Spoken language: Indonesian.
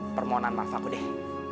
permohonan maaf aku deh